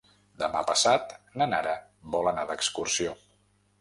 Demà passat na Nara vol anar d'excursió.